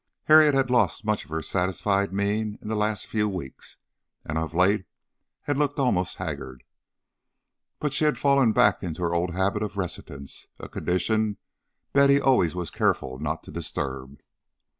Harriet had lost much of her satisfied mien in the last few weeks, and of late had looked almost haggard. But she had fallen back into her old habit of reticence, a condition Betty always was careful not to disturb.